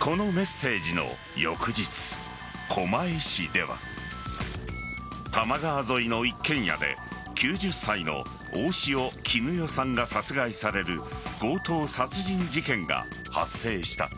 このメッセージの翌日狛江市では多摩川沿いの一軒家で９０歳の大塩衣与さんが殺害される強盗殺人事件が発生した。